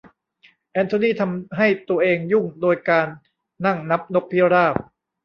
แอนโทนี่ทำให้ตัวเองยุ่งโดยการนั่งนับนกพิราบ